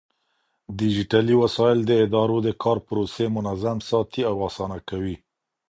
ډيجيټلي وسايل د ادارو د کار پروسې منظم ساتي او آسانه کوي.